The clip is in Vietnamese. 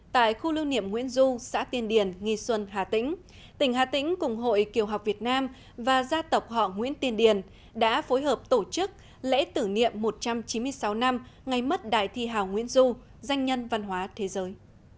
tại khu lưu niệm nguyễn du xã tiên điển nghi xuân hà tĩnh tỉnh hà tĩnh cùng hội kiều học việt nam và gia tộc họ nguyễn tiên điền đã phối hợp tổ chức lễ tưởng niệm một trăm chín mươi sáu năm ngày mất đại thi hảo nguyễn du danh nhân văn hóa thế giới